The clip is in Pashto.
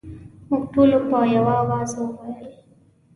موږ ټولو په یوه اواز وویل.